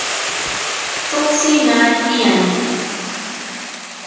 tuksi nay tiyan